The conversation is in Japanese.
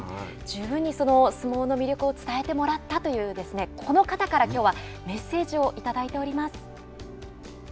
十分にその相撲の魅力を伝えてもらったというこの方からきょうはメッセージをいただいております。